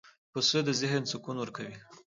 پسه د ذهن سکون ورکوي.